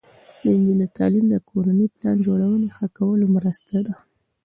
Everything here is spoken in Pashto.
د نجونو تعلیم د کورنۍ پلان جوړونې ښه کولو مرسته ده.